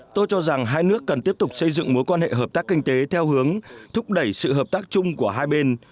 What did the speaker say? tôi cho rằng hai nước cần tiếp tục xây dựng mối quan hệ hợp tác kinh tế theo hướng thúc đẩy sự hợp tác chung của hai bên